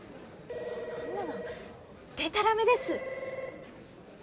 そんなのでたらめです。